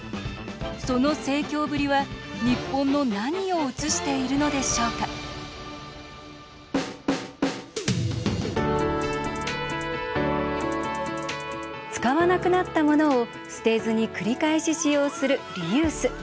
その盛況ぶりは、日本の何を映しているのでしょうか使わなくなったものを捨てずに繰り返し使用するリユース。